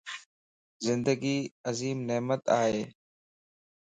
زندگي عظيم نعمت ائي